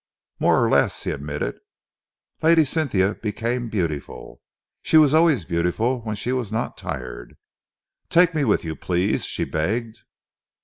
"More or less," he admitted. Lady Cynthia became beautiful. She was always beautiful when she was not tired. "Take me with you, please," she begged.